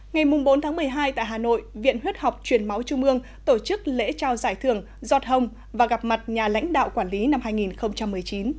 ngày bốn một mươi hai tại hà nội viện huyết học truyền máu trung ương tổ chức lễ trao giải thưởng giọt hồng và gặp mặt nhà lãnh đạo quản lý năm hai nghìn một mươi chín